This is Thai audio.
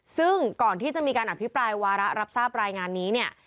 ซึ่งก่อนที่จะมีการอภิปรายวาระรับทราบรายงานนี้เนี่ย